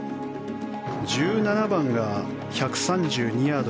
１７番が１３２ヤード